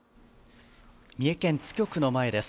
三重県津局の前です。